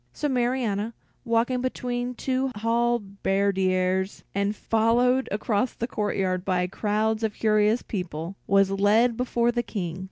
So Marianna, walking between two halberdiers and followed across the courtyard by crowds of curious people, was led before the King.